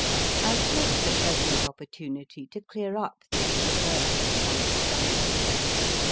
I take the present opportunity to clear up this perverse misunderstanding.